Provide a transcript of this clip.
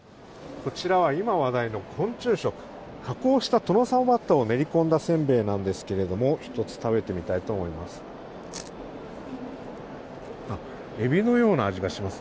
こちらは今、話題の昆虫食加工したトノサマバッタを練り込んだせんべいなんですけれども１つ食べてみたいと思います。